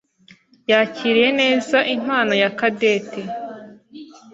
yakiriye neza impano ya Cadette.